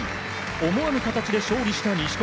思わぬ形で勝利した錦織。